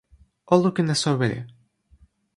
o lukin e soweli.